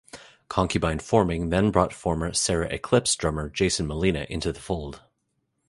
Concubine Forming then brought former Sera Eclipsed drummer Jason Molina into the fold.